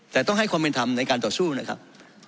แต่ต้องให้ความเป็นธรรมในการต่อสู้นะครับ